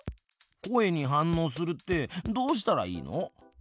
声に反応するってどうしたらいいの？